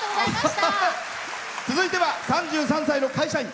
続いては３３歳の会社員。